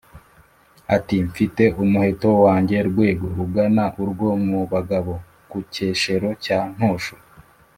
ati: « mfite umuheto wanjye Rwego rugana urwo mu bagabo ku Cyeshero cya Ntosho,